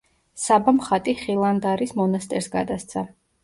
საბამ ხატი ხილანდარის მონასტერს გადასცა.